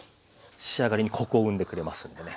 仕上がりにコクを生んでくれますんでね。